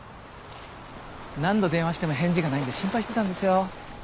何度電話しても返事がないんで心配してたんですよ。